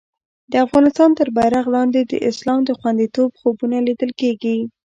د افغانستان تر بېرغ لاندې د اسلام د خوندیتوب خوبونه لیدل کېږي.